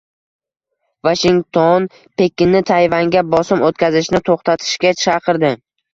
Vashington Pekinni Tayvanga bosim o‘tkazishni to‘xtatishga chaqirdi